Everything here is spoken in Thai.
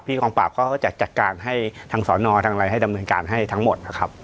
กองปราบเขาก็จะจัดการให้ทางสอนอทางอะไรให้ดำเนินการให้ทั้งหมดนะครับ